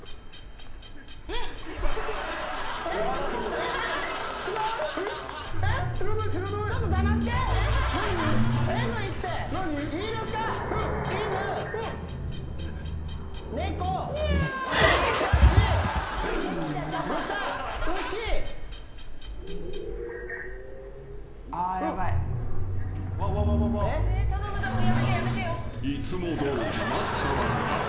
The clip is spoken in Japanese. ［いつもどおりマッサマンが止まった］